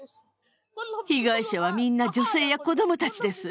被害者はみんな女性や子供たちです。